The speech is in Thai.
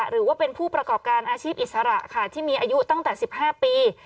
หรือว่าเป็นผู้ประกอบการอาชีพอิสระค่ะที่มีอายุตั้งแต่๑๕ปี